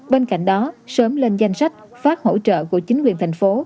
bên cạnh đó sớm lên danh sách phát hỗ trợ của chính quyền thành phố